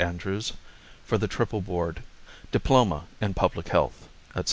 ANDREWS; FOR THE TRIPLE BOARD; DIPLOMA IN PUBLIC HEALTH, ETC.